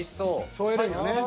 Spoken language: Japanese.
添えるんよね。